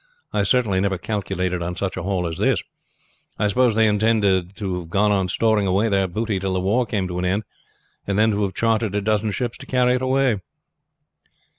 I certainly never calculated on such a haul as this. I suppose they intend to have gone on storing away their booty till the war came to an end, and then to have chartered a dozen ships to carry it away."